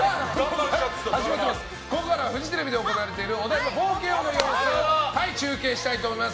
ここからはフジテレビで行われているお台場冒険王の様子を中継したいと思います。